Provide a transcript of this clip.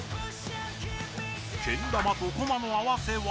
けん玉とコマの合わせ技